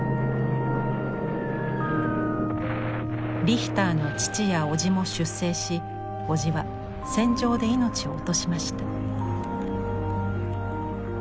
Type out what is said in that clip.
リヒターの父や叔父も出征し叔父は戦場で命を落としました。